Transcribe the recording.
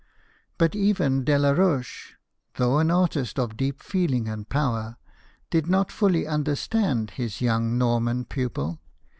But even Delaroche, though an artist of deep feeling and power, did not fully under stand his young Norman pupil.